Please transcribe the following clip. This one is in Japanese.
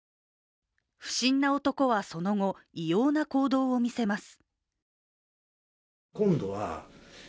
不審な男はその後、異様な行動を見せます。